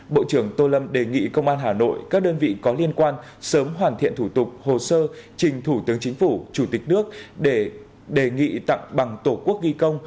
bộ trưởng tô lâm đề nghị công an hà nội các đơn vị có liên quan sớm hoàn thiện thủ tục hồ sơ trình thủ tướng chính phủ chủ tịch nước để đề nghị tặng bằng tổ quốc ghi công